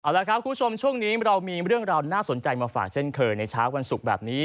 แล้วครับคุณผู้ชมช่วงนี้เรามีเรื่องราวน่าสนใจมาฝากเช่นเคยในเช้าวันศุกร์แบบนี้